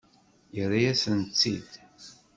Yerra-yasen-tt-id.